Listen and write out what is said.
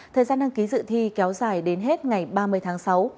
thời gian đăng ký dự thi kéo dài đến hết ngày ba mươi tháng sáu